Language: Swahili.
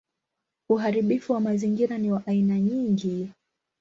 Uharibifu wa mazingira ni wa aina nyingi.